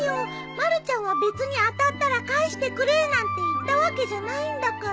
まるちゃんは別に当たったら返してくれなんて言ったわけじゃないんだから。